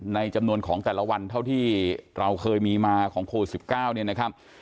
ในจำนวนของแต่ละวันเท่าที่เราเคยมีมาของโควิด๑๙เนี่ยนะครับ